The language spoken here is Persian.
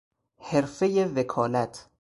حرفهی وکالت